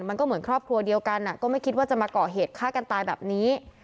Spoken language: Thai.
มันก็เหมือนครอบครัวเดียวกันก็ไม่คิดว่าจะมาก่อเหตุฆ่ากันตายแบบนี้